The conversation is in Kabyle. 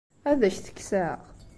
Ad ak-t-kkseɣ?